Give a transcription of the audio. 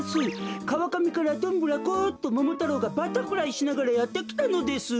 「かわかみからどんぶらこっとももたろうがバタフライしながらやってきたのです」。